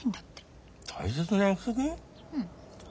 うん。